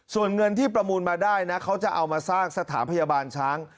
ส่วนเงินที่ประมูลมาได้นะเขาจะเอามาสร้างสถานพยาบาลช้าง